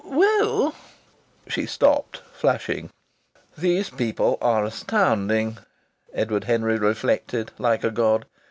"Well " she stopped, flushing. ("These people are astounding," Edward Henry reflected, like a god.